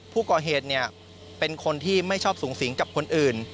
ผู้ก่อเหตุเป็นคนที่ไม่ชอบสูงสิงกับคนอื่น